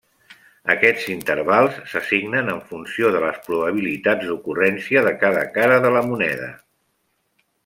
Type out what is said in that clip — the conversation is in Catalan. Aquests intervals s'assignen en funció de les probabilitats d'ocurrència de cada cara de la moneda.